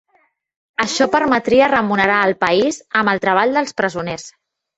Això permetria remunerar al país amb el treball dels presoners.